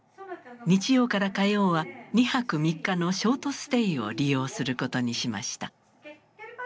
日曜から火曜は二泊三日のショートステイを利用することにしました。